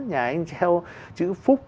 nhà anh treo chữ phúc